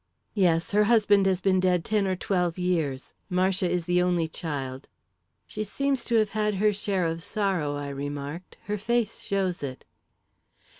"Yes. Her husband has been dead ten or twelve years. Marcia is the only child." "She seems to have had her share of sorrow," I remarked. "Her face shows it."